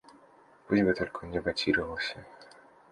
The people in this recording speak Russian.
Пусть бы только он дебатировался.